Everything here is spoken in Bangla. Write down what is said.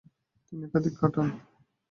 তিনি একাকি কাটান ।